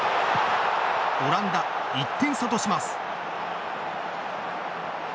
オランダ、１点差とします。